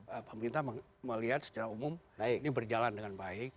nah pemerintah melihat secara umum ini berjalan dengan baik